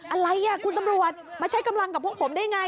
อะไรคุณตำรวจมาใช้กำลังกับพวกผมได้ไง